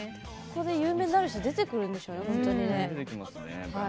ここで有名になる人出てくるんでしょうね、本当に。